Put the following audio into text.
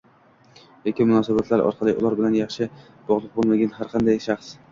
yoki munosabatlar orqali ular bilan bog‘liq bo‘lgan har qanday shaxs.